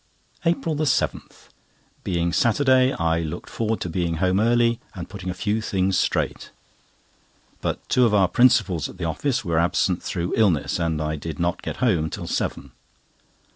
APRIL 7.—Being Saturday, I looked forward to being home early, and putting a few things straight; but two of our principals at the office were absent through illness, and I did not get home till seven.